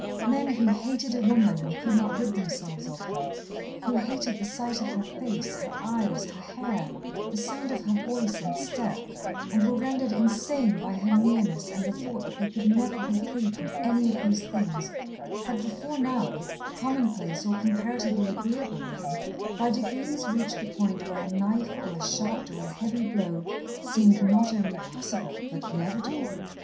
Men who hated a woman and could not rid themselves of her, who hated the sight of her face, her eyes, her hair, the sound of her voice and step, and were rendered insane by her nearness and the thought that they never could be free from any of these things, had before now, commonplace or comparatively agreeable men, by degrees reached the point where a knife or a shot or a heavy blow seemed not only possible but inevitable.